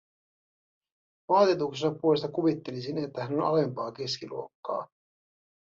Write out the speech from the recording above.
Vaatetuksensa puolesta kuvittelisin, että hän on alempaa keskiluokkaa.